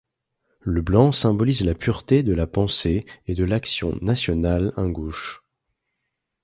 Le blanc symbolise la pureté de la pensée et de l'action nationale ingouche.